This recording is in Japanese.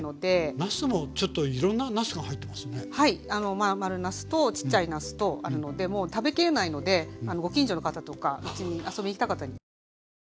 真ん丸なすとちっちゃいなすとあるのでもう食べきれないのでご近所の方とかうちに遊びに来た方に配ってます。